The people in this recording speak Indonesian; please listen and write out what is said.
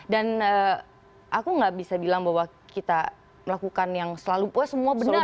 dan aku gak bisa bilang bahwa kita melakukan yang selalu semua benar